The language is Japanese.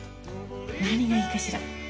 何がいいかしら？